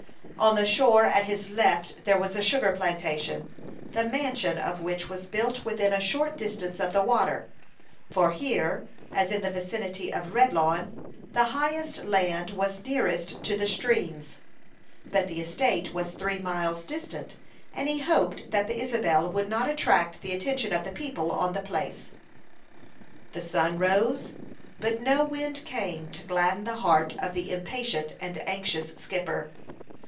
On the shore at his left there was a sugar plantation, the mansion of which was built within a short distance of the water; for here, as in the vicinity of Redlawn, the highest land was nearest to the streams. But the estate was three miles distant, and he hoped that the Isabel would not attract the attention of the people on the place. The sun rose, but no wind came to gladden the heart of the impatient and anxious skipper.